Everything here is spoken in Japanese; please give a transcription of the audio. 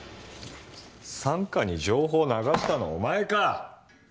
三課に情報流したのお前か！